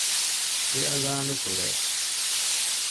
އިޢްލާނު ކުރޭ